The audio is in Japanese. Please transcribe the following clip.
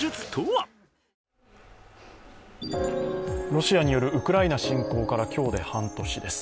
ロシアによるウクライナ侵攻から今日で半年です。